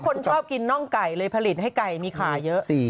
คนชอบกินน่องไก่เลยผลิตให้ไก่มีขาเยอะ